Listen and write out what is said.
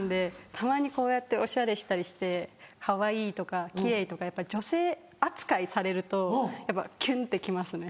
たまにこうやっておしゃれしたりしてかわいいとか奇麗とか女性扱いされるとやっぱキュンって来ますね。